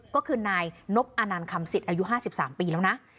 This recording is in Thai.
ก็คือนายนบอนันต์คำสิทธิ์อายุ๕๓ปีแล้วนะ